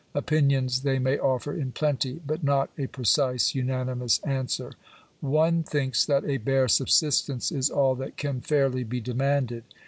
Opinions they may offer in plenty ; but not a pre cise, unanimous answer. One thinks that a bare subsistence is all that can fairly be demanded.